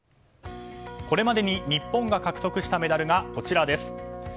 これまでに日本が獲得したメダルがこちらです。